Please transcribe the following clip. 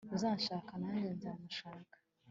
uzanshaka nanjye nzamushaka